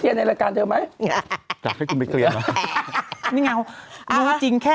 ฉันสนิทกับท่านย่า